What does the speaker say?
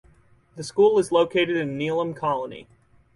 The school is located in Neelum Colony.